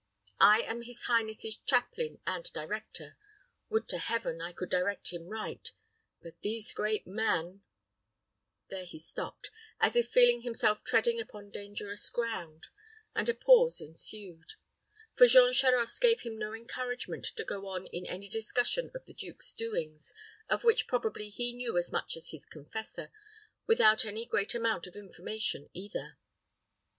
I am his highness's chaplain and director would to Heaven I could direct him right; but these great men " There he stopped, as if feeling himself treading upon dangerous ground, and a pause ensued; for Jean Charost gave him no encouragement to go on in any discussion of the duke's doings, of which probably he knew as much as his confessor, without any great amount of information either.